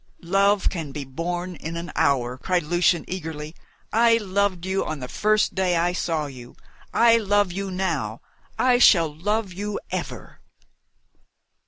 "Love can be born in an hour," cried Lucian eagerly. "I loved you on the first day I saw you! I love you now I shall love you ever!"